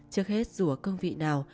trước hết dù ở cương vị nào